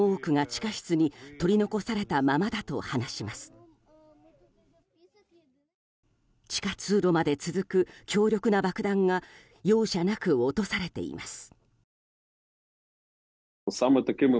地下通路まで続く強力な爆弾が容赦なく落とされています。